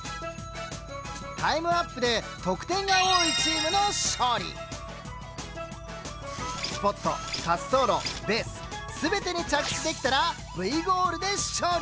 タイムアップで得点が多いチームのスポット滑走路ベース全てに着地できたら「Ｖゴール」で勝利。